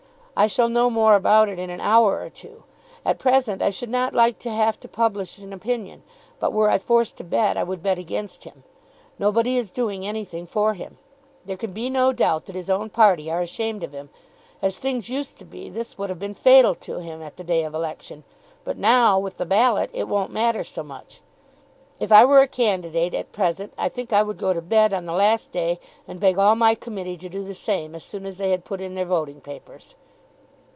I shall know more about it in an hour or two. At present I should not like to have to publish an opinion; but were I forced to bet, I would bet against him. Nobody is doing anything for him. There can be no doubt that his own party are ashamed of him. As things used to be, this would have been fatal to him at the day of election; but now, with the ballot, it won't matter so much. If I were a candidate, at present, I think I would go to bed on the last day, and beg all my committee to do the same as soon as they had put in their voting papers."